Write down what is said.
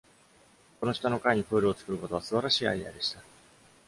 この下の階にプールを作ることは素晴らしいアイデアでした。